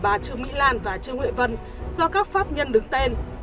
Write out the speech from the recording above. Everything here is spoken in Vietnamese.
bà trương mỹ lan và trương huệ vân do các pháp nhân đứng tên